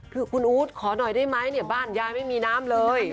คือคุณอู๊ดขอหน่อยได้ไหมเนี่ยบ้านยายไม่มีน้ำเลย